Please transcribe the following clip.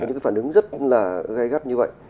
và những cái phản ứng rất là gây gắt như vậy